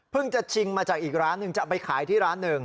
เพิ่งจะชิงมาจากอีกร้านนึงจะไปขายที่ร้านนึง